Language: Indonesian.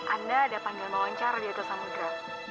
anda ada pandangan melancar di hotel samudera